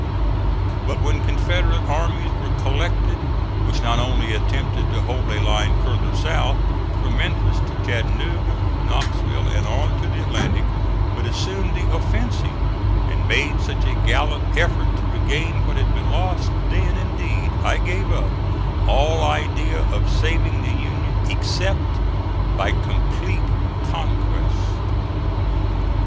But when Confederate armies were collected which not only attempted to hold a line farther south, from Memphis to Chattanooga, Knoxville and on to the Atlantic, but assumed the offensive and made such a gallant effort to regain what had been lost, then, indeed, I gave up all idea of saving the Union except by complete conquest.